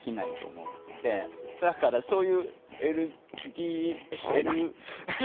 だからそういうＬＤＬ。